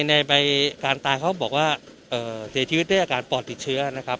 ในการตายเขาบอกว่าเสียชีวิตด้วยอาการปอดติดเชื้อนะครับ